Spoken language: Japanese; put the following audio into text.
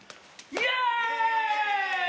イェーイ！